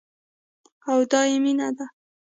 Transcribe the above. او دايې مينه ده.